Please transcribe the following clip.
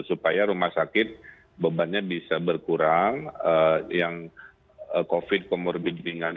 supaya rumah sakit bebannya bisa berkurang yang covid comorbid ringan